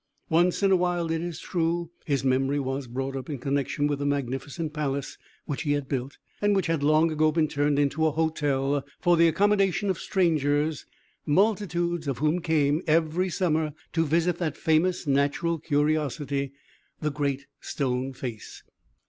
Once in a while, it is true, his memory was brought up in connection with the magnificent palace which he had built, and which had long ago been turned into a hotel for the accommodation of strangers, multitudes of whom came, every summer, to visit that famous natural curiosity, the Great Stone Face.